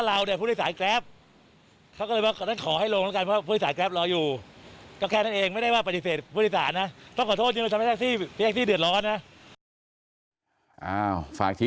อ้าวฝากชี้แจ้งทานพี่แท็กซี่ด้วยนะฮะ